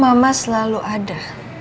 mama selalu ada